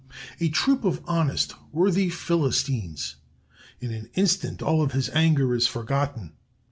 A troop of honest, worthy Philistines! In an instant all his anger is forgotten.